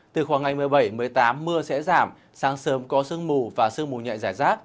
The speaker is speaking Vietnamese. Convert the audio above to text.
từ khoảng ngày một mươi bảy một mươi tám mưa sẽ giảm sáng sớm có sương mù và sương mù nhẹ rải rác